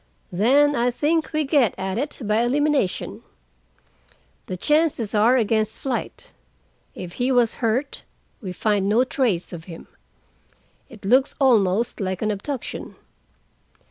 "Then I think we get at it by elimination. The chances are against flight. If he was hurt, we find no trace of him. It looks almost like an abduction.